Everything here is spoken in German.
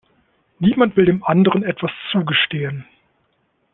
Niemand will dem anderen etwas zugestehen.